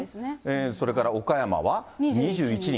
それから岡山は２１人。